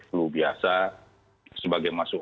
flu biasa sebagai masuk